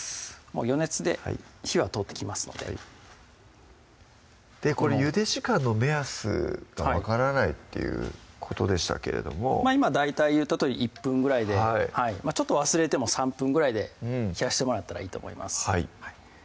余熱で火は通ってきますのでこれゆで時間の目安が分からないっていうことでしたけれども今大体言ったとおり１分ぐらいでちょっと忘れても３分ぐらいで冷やしてもらったらいいと思います